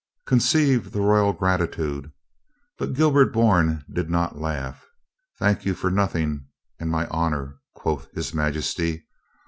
"Conceive the Royal gratitude!" But Gilbert Bourne did not laugh. " 'Thank you for nothing and my honor,' quoth his Majesty.